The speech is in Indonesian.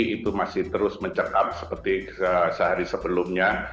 itu masih terus mencekap seperti sehari sebelumnya